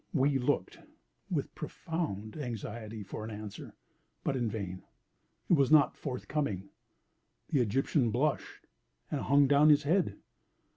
We looked, with profound anxiety, for an answer—but in vain. It was not forthcoming. The Egyptian blushed and hung down his head.